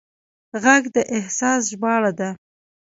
غږ د احساس ژباړه ده